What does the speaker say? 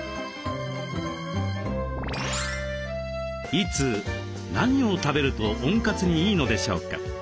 いつ何を食べると温活にいいのでしょうか？